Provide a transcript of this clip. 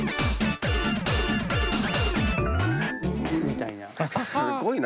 みたいな。